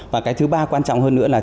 và cái thứ ba quan trọng hơn nữa là